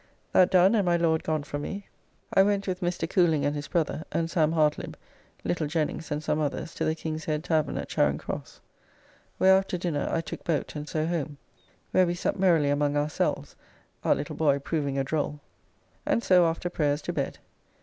That done and my Lord gone from me, I went with Mr. Cooling and his brother, and Sam Hartlibb, little Jennings and some others to the King's Head Tavern at Charing Cross, where after drinking I took boat and so home, where we supped merrily among ourselves (our little boy proving a droll) and so after prayers to bed.